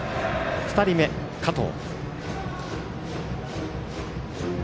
２人目、加藤。